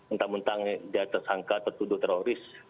entah mentang dia tersangka tertuduh teroris